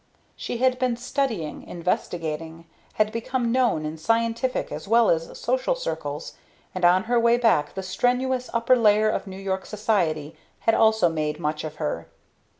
She had been studying, investigating, had become known in scientific as well as social circles, and on her way back the strenuous upper layer of New York Society had also made much of her.